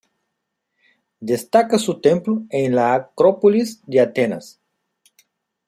Destaca su templo en la Acrópolis de Atenas.